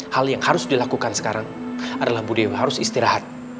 hal yang harus dilakukan sekarang adalah bu dewi harus istirahat